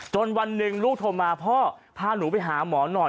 วันหนึ่งลูกโทรมาพ่อพาหนูไปหาหมอหน่อย